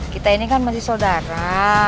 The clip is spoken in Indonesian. kita ini kan masih saudara